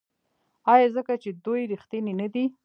آیا ځکه چې دوی ریښتیني نه دي؟